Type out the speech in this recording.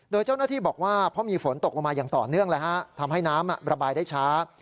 โดยเจ้าหน้าที่บอกว่าเพราะมีฝนตกลงมาอย่างต่อเนื่องทำให้น้ำระบายได้ช้า